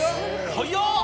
早っ！